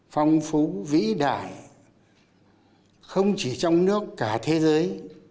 phong phú vĩ đại không chỉ trong nước cả thế giới